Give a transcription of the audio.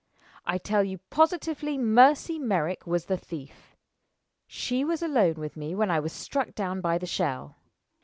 I tell you positively Mercy Merrick was the thief. She was alone with me when I was struck down by the shell.